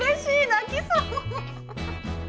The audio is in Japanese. なきそう！